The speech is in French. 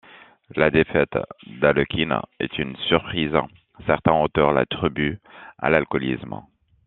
La défaite d'Alekhine est une surprise, certains auteurs l'attribuent à l'alcoolisme.